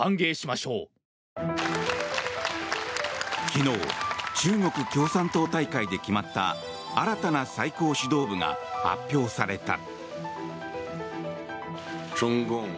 昨日、中国共産党大会で決まった新たな最高指導部が発表された。